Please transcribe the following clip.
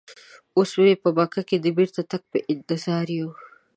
اوس په مکه کې د بیرته تګ په انتظار یو.